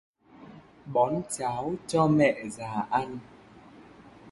Bón cháo cho mẹ già ăn